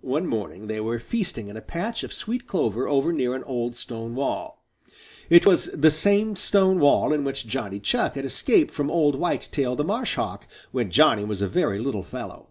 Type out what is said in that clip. One morning they were feasting in a patch of sweet clover over near an old stone wall. It was the same stone wall in which Johnny Chuck had escaped from old Whitetail the Marshhawk, when Johnny was a very little fellow.